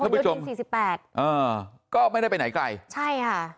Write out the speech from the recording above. อ่าพะหลโยธินสี่สิบแปดอ่าก็ไม่ได้ไปไหนไกลใช่ค่ะ